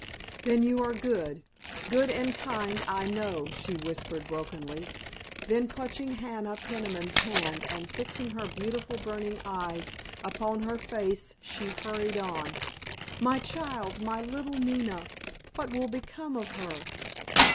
"Then you are good—good and kind, I know," she whispered brokenly. Then clutching Hannah Peniman's hand and fixing her beautiful, burning eyes upon her face she hurried on: "My child—my little Nina—what will become of her?